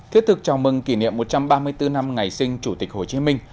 thiết thực chào mừng kỷ niệm một trăm ba mươi bốn năm ngày sinh chủ tịch hồ chí minh